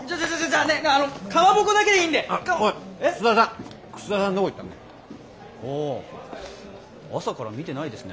ああ朝から見てないですね。